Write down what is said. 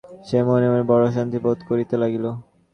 সে মনে মনে বড় অস্বস্তি বোধ করিতে লাগিল।